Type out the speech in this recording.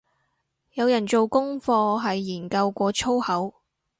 有人做功課係研究過粗口